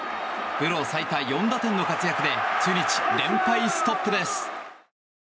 プロ最多４打点の活躍で中日、連敗ストップです。